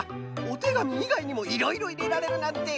おてがみいがいにもいろいろいれられるなんて！